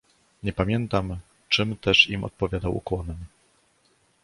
"Nie pamiętam, czym też im odpowiadał ukłonem."